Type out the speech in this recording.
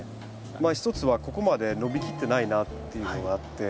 まあ一つはここまで伸びきってないなっていうのがあって。